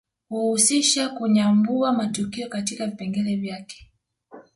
Huhusisha kunyambua matukio katika vipengele vyake